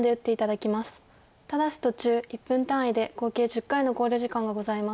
ただし途中１分単位で合計１０回の考慮時間がございます。